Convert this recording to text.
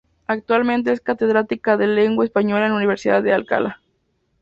Actualmente es catedrática de lengua española en la Universidad de Alcalá.